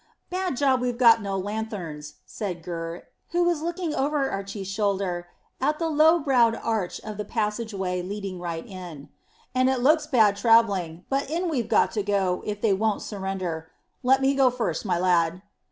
"Bad job we've got no lanthorns," said Gurr, who was looking over Archy's shoulder at the low browed arch of the passage leading right in; "and it looks bad travelling, but in we've got to go if they won't surrender. Let me go first, my lad."